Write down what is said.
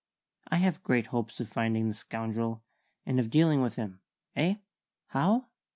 "I have great hopes of finding the scoundrel, and of dealing with him. Eh? 'How?'